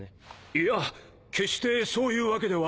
いや決してそういうわけでは。